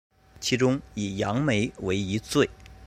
其中以杨梅为一最。